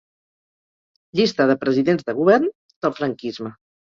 Llista de presidents de Govern del Franquisme.